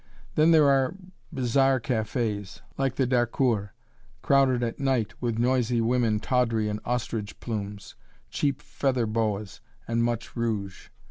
Then there are bizarre cafés, like the d'Harcourt, crowded at night with noisy women tawdry in ostrich plumes, cheap feather boas, and much rouge.